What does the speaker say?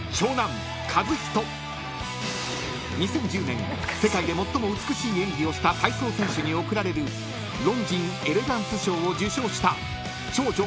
［２０１０年世界で最も美しい演技をした体操選手に贈られるロンジン・エレガンス賞を受賞した長女理恵］